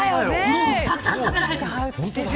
たくさん食べられる。